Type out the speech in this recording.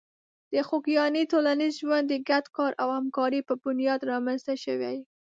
د خوږیاڼي ټولنیز ژوند د ګډ کار او همکاري په بنیاد رامنځته شوی.